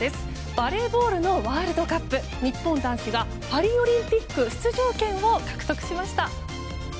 バレーボールのワールドカップ日本男子がパリオリンピック出場権を獲得しました。